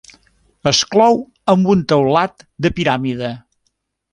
Es clou amb un teulat de piràmide.